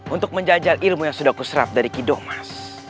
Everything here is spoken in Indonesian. untuk menjajal ilmu yang sudah kusrap dari kidomas